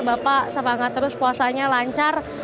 bapak semangat terus puasanya lancar